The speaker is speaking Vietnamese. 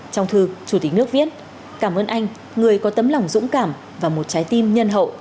trong thư chủ tịch nước viết cảm ơn anh người có tấm lòng dũng cảm và một trái tim nhân hậu